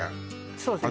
そうですね